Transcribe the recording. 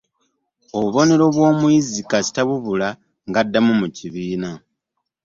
Obubonero bw'omuyizi kasita bubula ng'adda mu kibiina.